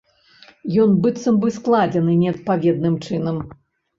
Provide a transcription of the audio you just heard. Ён быццам бы складзены неадпаведным чынам.